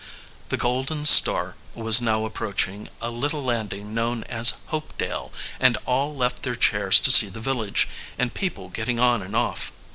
The Golden Star was now approaching a little landing known as Hopedale, and all left their chairs to see the village, and people getting on and off.